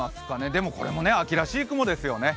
でも、これも秋らしい雲ですよね。